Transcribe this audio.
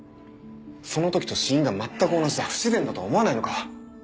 その時と死因が全く同じだ不自然だと思わないのか？